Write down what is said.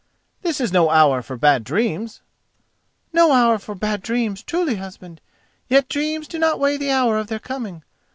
"This is no hour for bad dreams." "No hour for bad dreams, truly, husband; yet dreams do not weigh the hour of their coming.